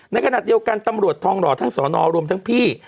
ในขณะเดียวกันตำรวจทองหล่อทั้งสอนอรวมทั้งพี่